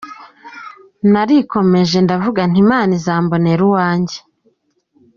Narikomeje ndavuga nti ‘Imana izambonera uwanjye’.